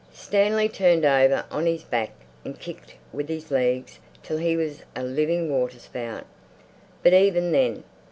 Stanley turned over on his back and kicked with his legs till he was a living waterspout. But even then....